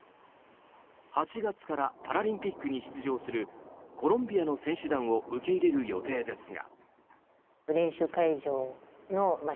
８月からパラリンピックに出場するコロンビアの選手団を受け入れる予定ですが。